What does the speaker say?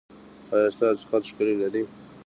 ایا ستاسو خط ښکلی نه دی؟